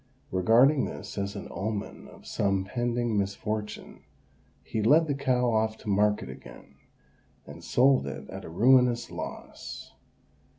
Regarding this as an omen of some pending misfortune, he led the cow off to market again, and sold it at a ruinous loss.